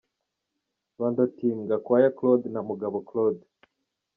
Rwanda Team : Gakwaya Claude& Mugabo Claude.